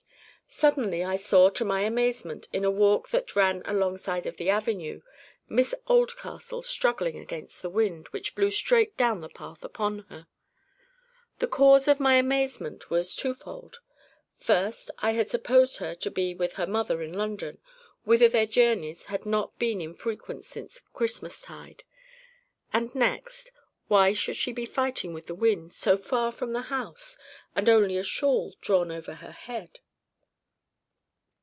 Suddenly I saw, to my amazement, in a walk that ran alongside of the avenue, Miss Oldcastle struggling against the wind, which blew straight down the path upon her. The cause of my amazement was twofold. First, I had supposed her with her mother in London, whither their journeys had been not infrequent since Christmas tide; and next—why should she be fighting with the wind, so far from the house, with only a shawl drawn over her head?